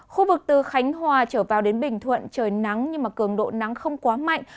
khu vực từ khánh hòa trở vào đến bình thuận trời nắng nhưng cường độ nắng không quá mạnh